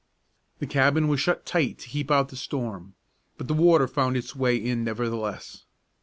The cabin was shut tight to keep out the storm, but the water found its way in nevertheless.